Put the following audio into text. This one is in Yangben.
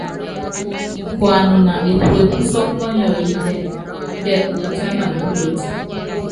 Kuanuna epuepú sɔ́kɔ́ mɔniɔyítɛ, tɛ ukutiánan púloti.